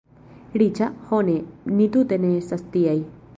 Riĉa? Ho ne, ni tute ne estas tiaj.